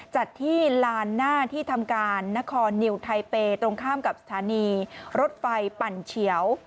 จัดที่ลานหน้าที่ทำการนครนิวไทเปย์ตรงข้ามกับสถานีรถไฟปั่นเฉียว